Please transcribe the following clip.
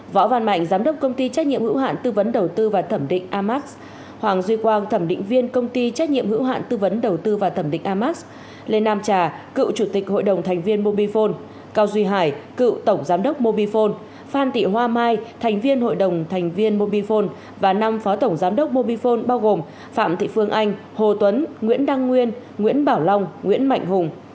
võ văn mạnh giám đốc công ty trách nhiệm hữu hạn tư vấn đầu tư và thẩm định amax hoàng duy quang thẩm định viên công ty trách nhiệm hữu hạn tư vấn đầu tư và thẩm định amax lê nam trà cựu chủ tịch hội đồng thành viên mobifone cao duy hải cựu tổng giám đốc mobifone phan tị hoa mai thành viên hội đồng thành viên mobifone và năm phó tổng giám đốc mobifone bao gồm phạm thị phương anh hồ tuấn nguyễn đăng nguyên nguyễn bảo long nguyễn mạnh hùng